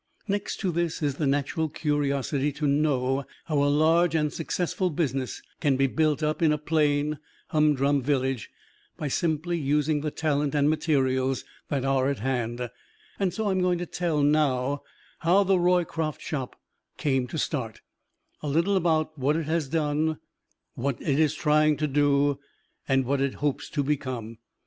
Next to this is the natural curiosity to know how a large and successful business can be built up in a plain, humdrum village by simply using the talent and materials that are at hand, and so I am going to tell now how the Roycroft Shop came to start; a little about what it has done; what it is trying to do; and what it hopes to become.